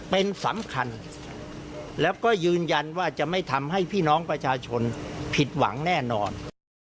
เป็นสำคัญแล้วก็ยืนยันว่าจะไม่ทำให้พี่น้องประชาชนผิดหวังแน่นอน